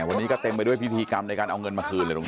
วันนี้ก็เต็มไปด้วยพิธีกรรมในการเอาเงินมาคืนเลยตรงนี้